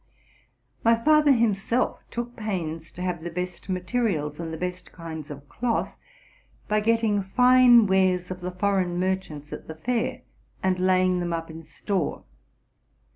My father himself took pains to have the best materials and the best kind of cloth, by getting fine wares of the foreign merchants at the fair, and laying them up in store.